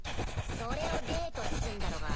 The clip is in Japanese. それをデートっつんだろが。